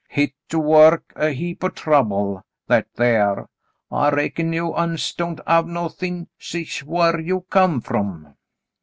Hit do work a heap o' trouble, that thar. I reckon you uns don't have no thin' sich whar you come from.